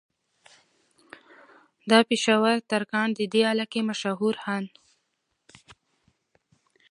دا پېشه ور ترکاڼ د دې علاقې مشهور خان